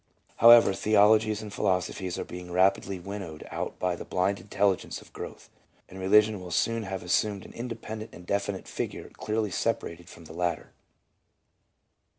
However, theologies and philosophies are being rapidly winnowed out by the blind intelligence of growth, and religion will soon have assumed an independent and definite figure clearly separated from the latter.